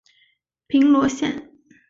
平罗线